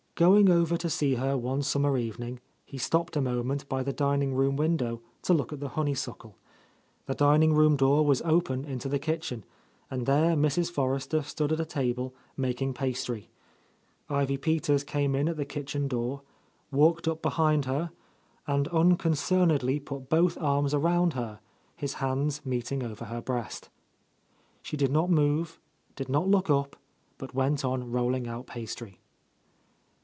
Going over to see her one summer evening, he stopped a moment by the dining room window to look at the honeysuckle. The dining room door was open into the kitchen, and there Mrs. Forrester stood at a table, making pastry. Ivy Peters came in at the kitchen door, walked up behind her, and unconcernedly put both arms around her, his hands meeting over her breast, — 169— A Lost Lady She did not move, did not look up, but went on rolling out pastry.